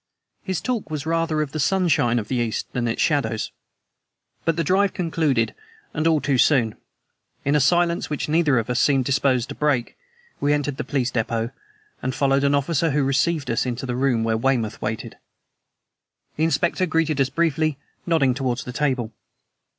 His talk was rather of the sunshine of the East than of its shadows. But the drive concluded and all too soon. In a silence which neither of us seemed disposed to break, we entered the police depot, and followed an officer who received us into the room where Weymouth waited. The inspector greeted us briefly, nodding toward the table.